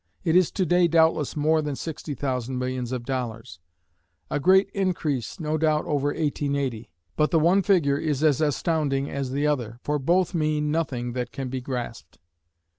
It is to day doubtless more than sixty thousand millions of dollars, a great increase no doubt over 1880, but the one figure is as astounding as the other, for both mean nothing that can be grasped.